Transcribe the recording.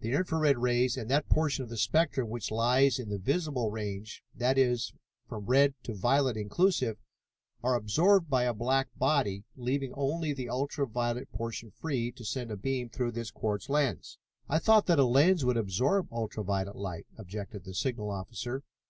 The infra red rays and that portion of the spectrum which lies in the visible range, that is, from red to violet inclusive, are absorbed by a black body, leaving only the ultra violet portion free to send a beam through this quartz lens." "I thought that a lens would absorb ultra violet light," objected the signal officer.